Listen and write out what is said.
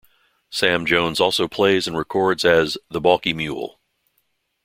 Sam Jones also plays and records as 'The Balky Mule'.